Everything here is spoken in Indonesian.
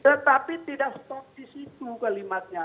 tetapi tidak stop di situ kalimatnya